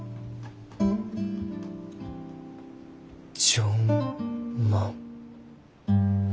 「ジョン・マン」。